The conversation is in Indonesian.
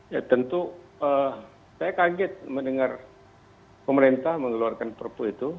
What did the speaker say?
ya tentu saya kaget mendengar pemerintah mengeluarkan perpu itu